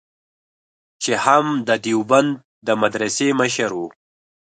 چې هم د دیوبند د مدرسې مشر و.